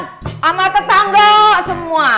sama tetangga semua